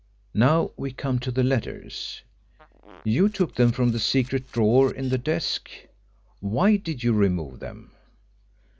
"Now we come to the letters. You took them from the secret drawer in the desk. Why did you remove them?"